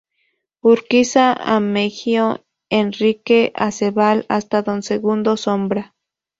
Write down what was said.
Urquiza, Ameghino, Enrique Acebal hasta Don Segundo Sombra.